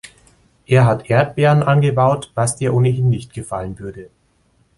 Er hat Erdbeeren angebaut, was dir ohnehin nicht gefallen würde.